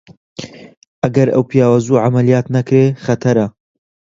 ئەگەر ئەو پیاوە زوو عەمەلیات نەکرێ خەتەرە!